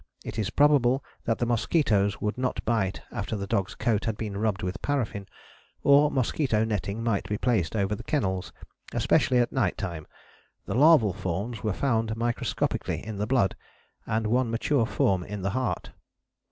It is probable that the mosquitoes would not bite after the dog's coat had been rubbed with paraffin: or mosquito netting might be placed over the kennels, especially at night time. The larval forms were found microscopically in the blood, and one mature form in the heart."